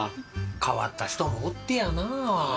変わった人もおってやなぁ。なぁ。